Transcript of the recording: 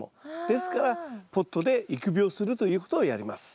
ですからポットで育苗するということをやります。